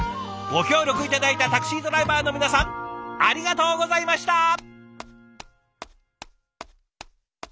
ご協力頂いたタクシードライバーの皆さんありがとうございました！